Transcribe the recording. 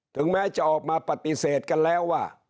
ถึงแม้จะออกมาปฏิเสธกันแล้วว่า